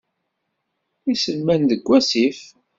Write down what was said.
Iselman deg wasif.